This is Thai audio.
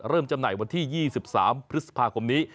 จำหน่ายวันที่๒๓พฤษภาคมนี้